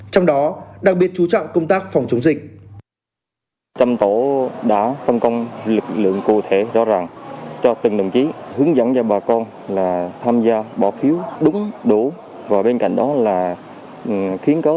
trong đó đặc biệt chú trọng công tác phòng chống dịch